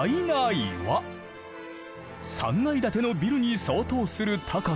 ３階建てのビルに相当する高さだ。